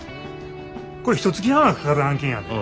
これひとつき半はかかる案件やで。